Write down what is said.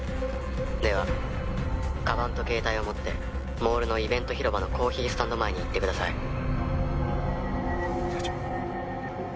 では鞄と携帯を持ってモールのイベント広場のコーヒースタンド前に行ってください」社長。